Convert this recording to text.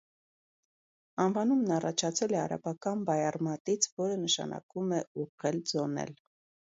Անվանումն առաջացել է արաբական բայարմատից, որը նշանակում է «ուղղել, ձոնել»։